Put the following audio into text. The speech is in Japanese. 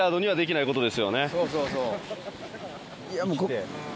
そうそうそう。